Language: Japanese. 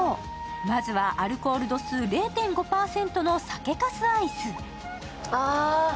まずはアルコール度数０．５％の酒粕アイス。